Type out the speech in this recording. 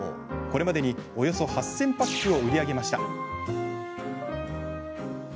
これまでにおよそ８０００パックを売り上げました。